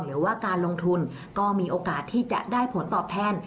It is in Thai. หรือว่าการลงทุนก็มีโอกาสที่จะได้ผลตอบแทน